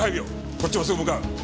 こっちもすぐ向かう！